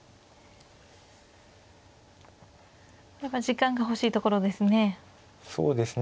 時間が欲しいところですね。